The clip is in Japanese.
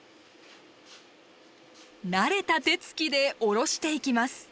慣れた手つきでおろしていきます。